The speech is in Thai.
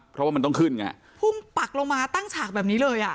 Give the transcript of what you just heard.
เพราะว่ามันต้องขึ้นไงพุ่งปักลงมาตั้งฉากแบบนี้เลยอ่ะ